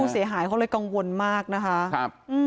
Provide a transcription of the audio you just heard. เสียหายเขาเลยกังวลมากนะคะครับ